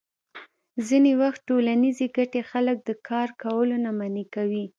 ځینې وخت ټولنیزې ګټې خلک د کار کولو نه منع کوي.